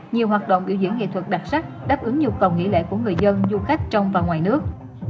nhiều hoạt động biểu diễn nghệ thuật đặc sắc đáp ứng nhu cầu nghỉ lễ của người dân du khách trong và ngoài nước